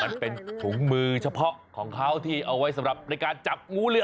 มันเป็นถุงมือเฉพาะของเขาที่เอาไว้สำหรับในการจับงูเหลือ